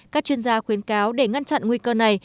các chuyên gia khuyến cáo để ngăn chặn nguy cơ này